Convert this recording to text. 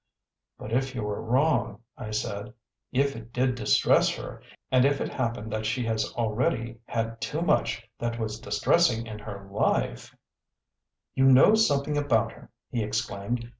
"But if you were wrong," I said, "if it did distress her, and if it happened that she has already had too much that was distressing in her life " "You know something about her!" he exclaimed.